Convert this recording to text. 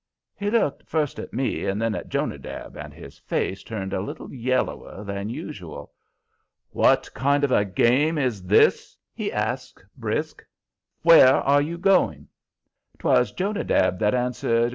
He looked first at me and then at Jonadab, and his face turned a little yellower than usual. "What kind of a game is this?" he asks, brisk. "Where are you going?" 'Twas Jonadab that answered.